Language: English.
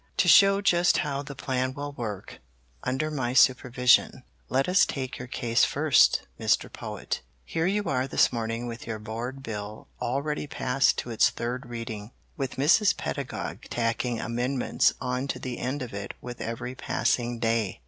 "To show just how the plan will work under my supervision let us take your case first, Mr. Poet. Here you are this morning with your board bill already passed to its third reading, with Mrs. Pedagog tacking amendments on to the end of it with every passing day.